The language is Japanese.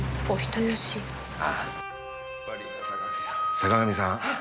坂上さん